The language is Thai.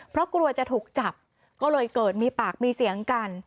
เพราะกลัวจะถูกจับก็เลยเกิดมีปากมีเสียงกัน